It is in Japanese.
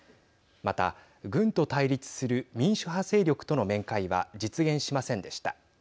また、軍と対立する民主派勢力との面会は実現しませんでした。